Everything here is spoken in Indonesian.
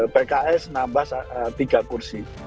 pks nambah tiga kursi